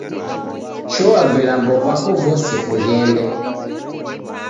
Shoa vilambo vako vose kughende